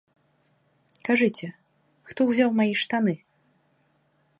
Кажыце, хто ўзяў мае штаны?